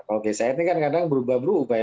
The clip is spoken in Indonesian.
oke saya ini kan kadang berubah berubah ya